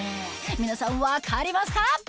皆さん分かりますか？